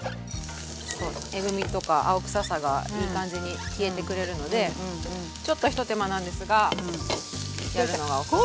そうえぐみとか青臭さがいい感じに消えてくれるのでちょっと一手間なんですがやるのがおすすめ。